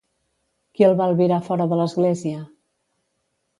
Qui el va albirar fora de l'església?